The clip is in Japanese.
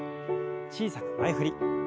小さく前振り。